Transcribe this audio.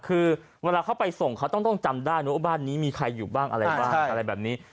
คือเวลาเขาไปส่งเขาต้องจำได้ว่าบ้านนี้มีใครอยู่บ้างอะไรบ้างอะไรแบบนี้